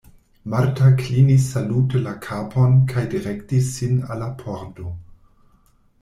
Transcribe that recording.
Marta klinis salute la kapon kaj direktis sin al la pordo.